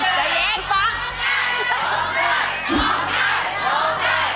เง้น